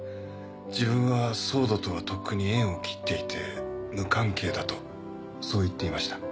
自分はＳＷＯＲＤとはとっくに縁を切っていて無関係だとそう言っていました。